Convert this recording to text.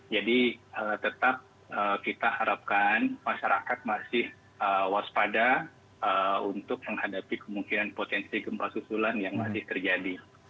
jadi tetap kita harapkan masyarakat masih waspada untuk menghadapi kemungkinan potensi gempa susulan yang masih terjadi